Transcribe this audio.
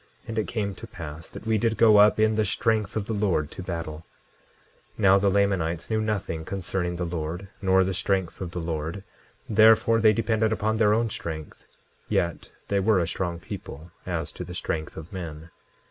And it came to pass that we did go up in the strength of the Lord to battle. 10:11 Now, the Lamanites knew nothing concerning the Lord, nor the strength of the Lord, therefore they depended upon their own strength. Yet they were a strong people, as to the strength of men.